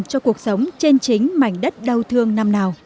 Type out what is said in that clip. cho cuộc sống trên chính mảnh đất đau thương năm nào